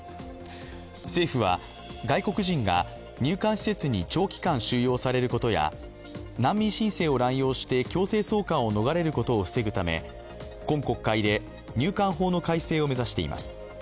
政府は外国人が入管施設に長期間収容されることや難民申請を乱用して強制送還を逃れることを防ぐため今国会で、入管法の改正を目指しています。